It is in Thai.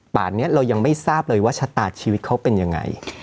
นี้เรายังไม่ทราบเลยว่าชะตาชีวิตเขาเป็นยังไง